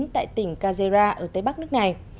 tại tỉnh khajera ở tây bắc nước này